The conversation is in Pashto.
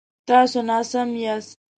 تاسو ناسم یاست